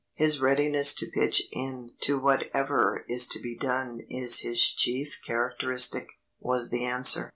"His readiness to pitch in to whatever is to be done is his chief characteristic," was the answer.